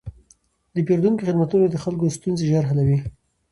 د پېرودونکو خدمتونه د خلکو ستونزې ژر حلوي.